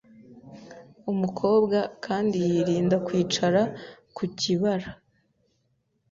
Umukobwa kandi yirinda kwicara ku kibara